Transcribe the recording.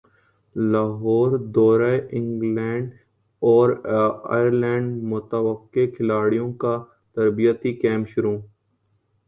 لاہوردورہ England اور ئرلینڈمتوقع کھلاڑیوں کا تربیتی کیمپ شروع